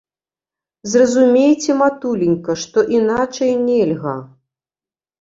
Зразумейце, матуленька, што іначай нельга.